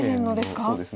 そうなんですね。